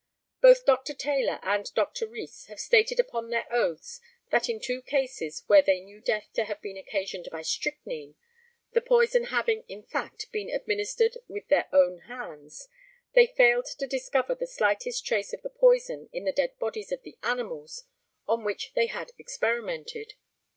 Both Dr. Taylor and Dr. Rees have stated upon their oaths that in two cases where they knew death to have been occasioned by strychnine the poison having, in fact, been administered with their own hands they failed to discover the slightest trace of the poison in the dead bodies of the animals on which they had experimented.